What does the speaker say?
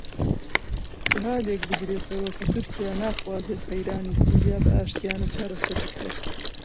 وەها لێک بدرێتەوە کە تورکیا ناخوازێت قەیرانی سووریا بە ئاشتییانە چارەسەر بکرێت